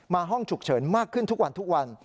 มาห้องฉุกเฉินมากขึ้นทุกวัน